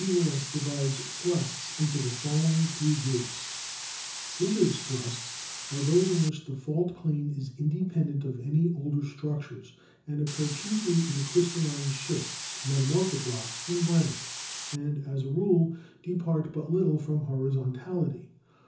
Willis divides thrusts into the following three groups : "Scission thrusts are those in which the fault plane is independent of any older structures, and occur chiefly in the crystalline schists (metamorphic rocks) and granite, STRUCTURAL GEOLOGY 169 and, as a rule, depart but little from horizontality.